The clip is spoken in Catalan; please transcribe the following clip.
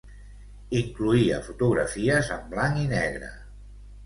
Incloïa fotografies en blanc i negre.